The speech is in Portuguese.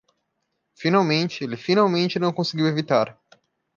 Finalmente, ele finalmente não conseguiu evitar.